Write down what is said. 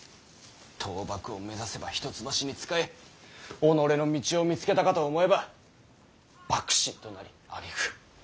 倒幕を目指せば一橋に仕え己の道を見つけたかと思えば幕臣となりあげく